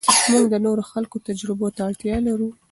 موږ د نورو خلکو تجربو ته اړتیا لرو.